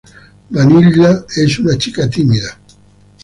Vanilla es una chica tímida.